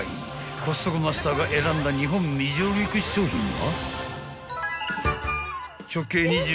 ［コストコマスターが選んだ日本未上陸商品は？］